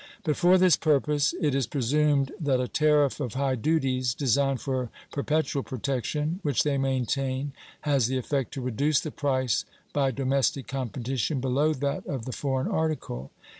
But for this purpose it is presumed that a tariff of high duties, designed for perpetual protection, which they maintain has the effect to reduce the price by domestic competition below that of the foreign article.